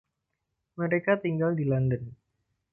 Mereka tinggal di London.